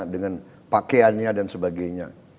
dengan pakaiannya dan sebagainya